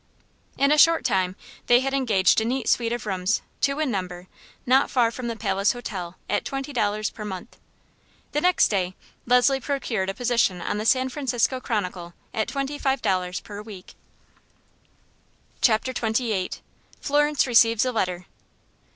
In a short time they had engaged a neat suite of rooms, two in number, not far from the Palace Hotel, at twenty dollars per month. The next day Leslie procured a position on the San Francisco Chronicle, at twenty five dollars per week. Chapter XXVIII. Florence Receives A Letter.